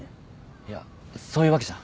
いやそういうわけじゃ。